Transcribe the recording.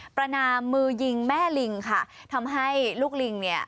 ประนามมือยิงแม่ลิงค่ะทำให้ลูกลิงเนี่ย